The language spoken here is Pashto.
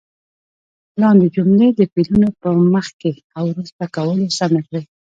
لاندې جملې د فعلونو په مخکې او وروسته کولو سمې کړئ.